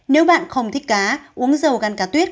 nếu bạn không thích cá uống dầu ăn cá tuyết